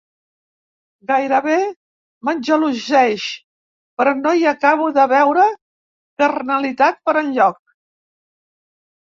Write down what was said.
Gairebé m'engeloseix, però no hi acabo de veure carnalitat per enlloc.